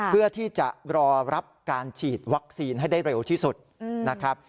เพื่อที่จะรอรับการฉีดวัคซีนให้ได้เร็วที่สุดนะครับ